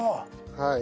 はい。